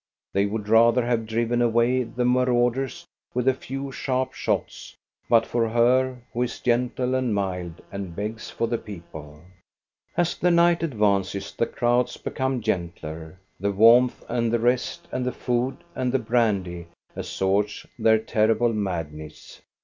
They would rather have driven away the marauders with a few sharp shots, but for her, who is gentle and mild and begs for the people. As the night advances, the crowds become gentler. The warmth and the rest and the food and the brandy assuage their terrible madness.